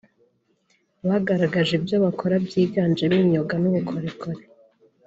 bagaragaje ibyo bakora byiganjemo imyuga n’ubukorikori